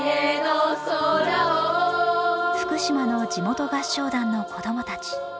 福島の地元合唱団の子供たち。